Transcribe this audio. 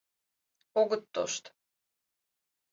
Огыт тошт!..